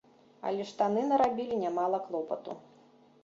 Але штаны нарабілі нямала клопату.